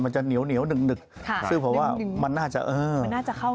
มันจะเหนียวเหนียวหนึ่งหนึกค่ะซึ่งผมว่ามันน่าจะเออมันน่าจะเข้ากัน